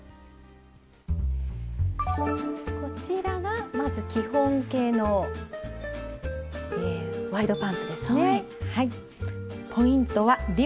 こちらがまず基本系のワイドパンツですね。